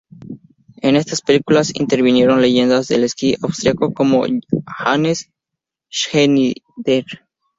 En estas películas intervinieron leyendas del esquí austriaco como Hannes Schneider.